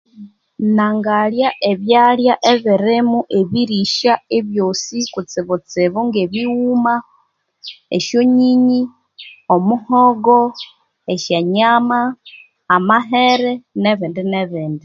Nangalya ebyalya ebirimo ebirisya ebyosi kutsibutsibu nge bighuma esyonyinyi omuhogo esyonyama, amahere nebindi nebindi